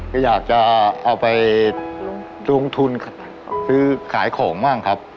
ก็อยากจะเอาไปลงทุนซื้อขายของบ้างครับ